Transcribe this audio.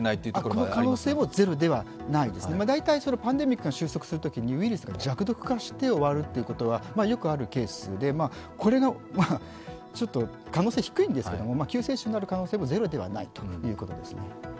その可能性もゼロではないですね、パンデミックが終息するときウイルスが弱毒化して終わるということはよくあるケースでこれがちょっと、可能性低いんですけど、救世主になる可能性もゼロではないということですね。